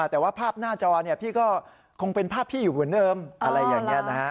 แต่ว่าภาพหน้าจอนเนี่ยพี่ก็คงเป็นภาพพี่อยู่เหมือนเดิม